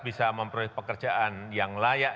bisa memperoleh pekerjaan yang layak